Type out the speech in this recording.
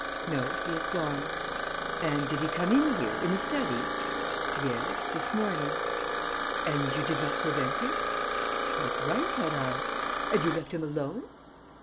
"No, he has gone." "And did he come in here, in the study?" "Yes." "This morning." "And you did not prevent him?" "What right had I?" "And you left him alone?"